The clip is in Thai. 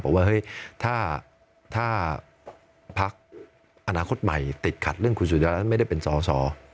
ว่าเฮ้ยถ้าพักอนาคตใหม่ติดขัดเรื่องคุณสุจริตแล้วไม่ได้เป็นสอสอ